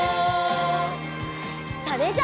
それじゃあ。